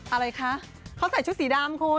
อะไรคะเขาใส่ชุดสีดำคุณ